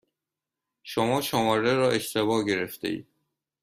شما شماره را اشتباه گرفتهاید.